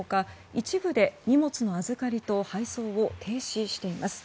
一部で、荷物の預かりと配送を停止しています。